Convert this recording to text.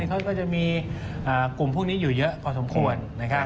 เขาก็จะมีกลุ่มพวกนี้อยู่เยอะพอสมควร